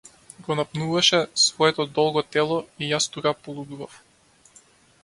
Го напнуваше своето долго тело и јас тука полудував.